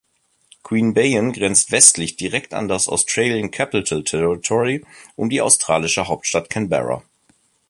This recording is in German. Queanbeyan grenzt westlich direkt an das Australian Capital Territory um die australische Hauptstadt Canberra.